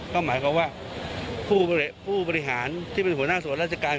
ก็หมายความว่าผู้บริหารที่เป็นหัวหน้าส่วนราชการ